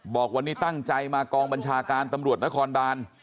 บอกวันนี้ตั้งใจมากองบัญชาการตำรวจนครบาน